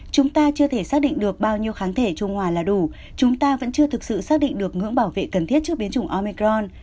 chúng ta chưa thể xác định được bao nhiêu kháng thể trung hòa là đủ chúng ta vẫn chưa thực sự xác định được ngưỡng bảo vệ cần thiết trước biến chủng omicron